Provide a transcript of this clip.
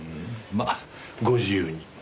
まあご自由に。